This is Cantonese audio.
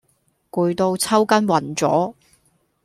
攰到抽筋暈咗